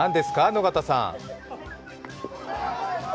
野方さん。